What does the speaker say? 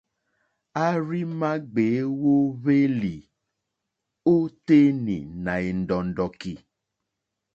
A rziima gbèe wo hwelì o tenì nà è ndɔ̀ndɔ̀ki.